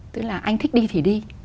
tức là anh thích đi thì đi